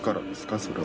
それは。